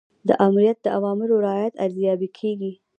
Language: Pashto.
د آمریت د اوامرو رعایت ارزیابي کیږي.